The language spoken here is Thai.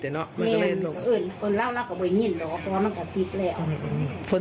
ทับแล้วอลุบจากนู้นลุบมากก่อน